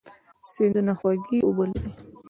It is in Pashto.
سیندونه خوږې اوبه لري.